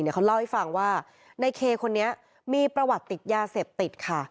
เขาเล่าให้ฟังว่าในเคคนนี้มีประวัติติดยาเสพติดค่ะ